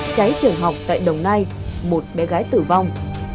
cháy trường học tại đồng nai một bé gái tử vong